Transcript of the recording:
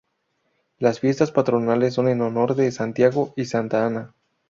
Las fiestas patronales son en honor de Santiago y Santa Ana.